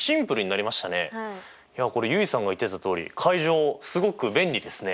いやこれ結衣さんが言ってたとおり階乗すごく便利ですね！